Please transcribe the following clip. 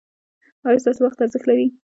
ایا ستاسو وخت ارزښت لري؟